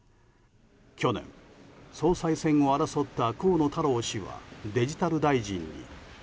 去年、総裁選を争った河野太郎氏はデジタル大臣に。